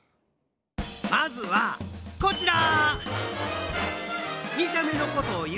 まずはこちら！